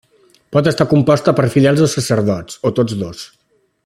Pot estar composta per fidels o sacerdots, o tots dos.